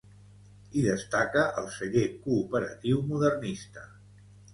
Hi destaca el celler cooperatiu modernista.